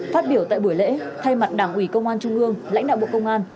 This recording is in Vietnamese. phát biểu tại buổi lễ thay mặt đảng ủy công an trung ương lãnh đạo bộ công an